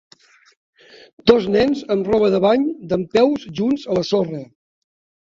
Dos nens amb roba de bany dempeus junts a la sorra.